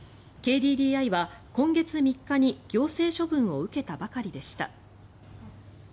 ＫＤＤＩは今月３日に行政処分を受けたばかりでした。